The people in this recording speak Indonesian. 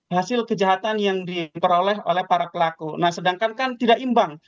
hasil kejahatan yang diperoleh oleh para pelaku nah sedangkan kan tidak imbang